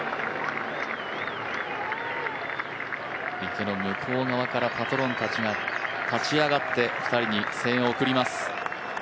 池の向こう側からパトロンたちが立ち上がって２人に声援を送ります